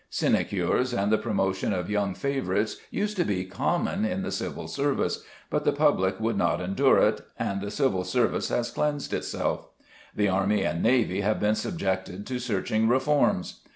Sinecures and the promotion of young favourites used to be common in the Civil Service; but the public would not endure it, and the Civil Service has cleansed itself. The army and navy have been subjected to searching reforms.